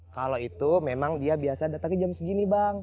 kalau itu memang dia biasa datangnya jam segini bang